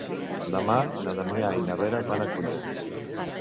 Demà na Damià i na Vera van a Culla.